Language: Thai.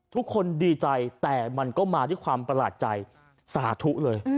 ทุกคนดีใจแต่มันก็มาด้วยความประหลาดใจสาธุเลย